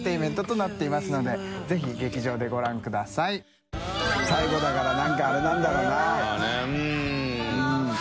まぁ最後だからなんかあれなんだろうな。